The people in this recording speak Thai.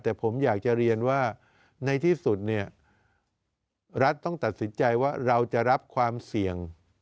แต่ผมอยากจะเรียนว่าในที่สุดเนี่ยรัฐต้องตัดสินใจว่าเราจะรับความเสี่ยง